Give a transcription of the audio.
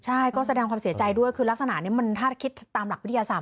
ลักษณะนี้มันถ้าคิดตามหลักวิทยาศาสตร์